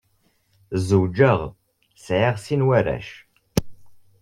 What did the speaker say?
Zewǧeɣ, sɛiɣ sin n warrac.